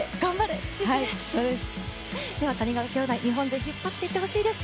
谷川兄弟、日本勢を引っ張っていってほしいです。